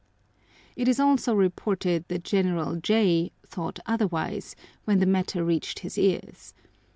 It is also reported that General J thought otherwise, when the matter reached his ears.